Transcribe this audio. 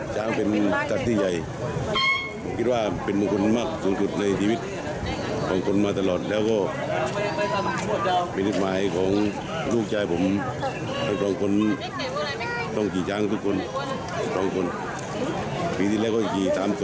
ต้องเป็นจากโมงที่สามนึงนะครับ